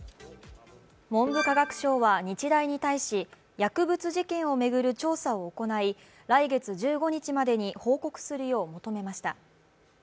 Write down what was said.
文部科学省は日大に対し、薬物事件を巡る調査を行い、来月１５日までに報告するよう求めました。